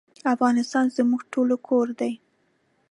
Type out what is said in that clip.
افغانستان زموږ ټولو کور دی